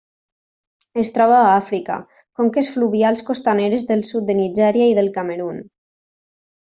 Es troba a Àfrica: conques fluvials costaneres del sud de Nigèria i del Camerun.